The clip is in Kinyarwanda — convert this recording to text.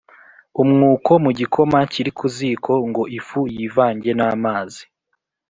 umwuko mu gikoma kiri ku ziko ngo ifu yivange n’amazi